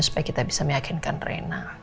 supaya kita bisa meyakinkan reina